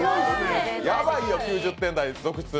ヤバいよ９０点台続出。